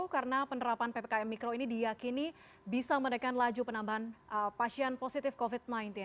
karena penerapan ppkm mikro ini diyakini bisa menekan laju penambahan pasien positif covid sembilan belas